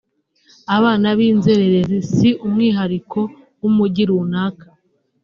Abana b’ inzererezi si umwihariko w’ umujyi runaka